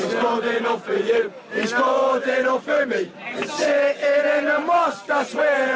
tidak ada yang menyebutkan ini sebagai kata kata yang menyebutkan